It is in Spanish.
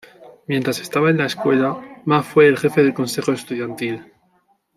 Mientras estaba en la escuela, Ma fue el jefe del consejo estudiantil.